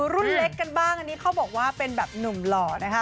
รุ่นเล็กกันบ้างอันนี้เขาบอกว่าเป็นแบบหนุ่มหล่อนะคะ